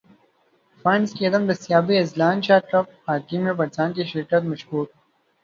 funds کی عدم دستیابی اذلان شاہ کپ ہاکی میں پاکستان کی شرکت مشکوک